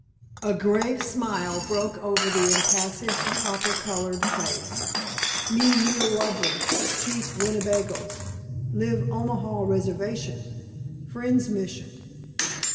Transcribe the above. _" A grave smile broke over the impassive, copper colored face. "Me Neowage, Chief Winnebagoes. Live Omaha Reservation. Friends' Mission."